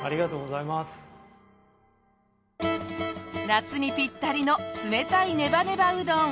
夏にぴったりの冷たいネバネバうどん。